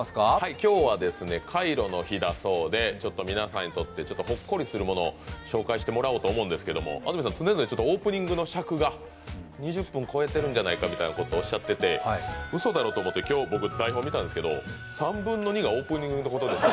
今日はカイロの日だそうで皆さんにとってほっこりするものを紹介してもらおうと思うんですが常々、オープニングの尺が２０分超えているんじゃないかみたいなことをおっしゃってて、うそだろと思って、僕今日台本見たんですけど、３分の２がオープニングでした。